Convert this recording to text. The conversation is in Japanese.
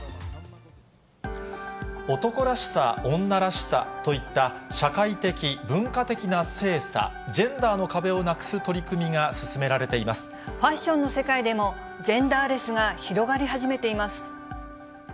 男らしさ、女らしさといった、社会的・文化的な性差・ジェンダーの壁をなくす取り組みが進めらファッションの世界でも、ジェンダーレスが広がり始めています。